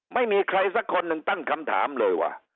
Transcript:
ไม่มีใครสักคนหนึ่งตั้งคำถามเลยว่า